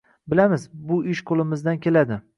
Bilamiz, bu ish qo‘limizdan keladi